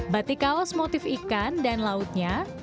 batik kaos motif ikan dan lautnya